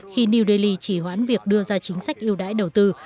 khi new delhi chỉ hoãn việc đưa ra chính sách yêu đáy đầu tư